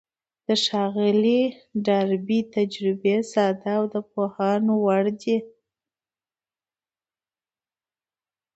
د ښاغلي ډاربي تجربې ساده او د پوهاوي وړ دي.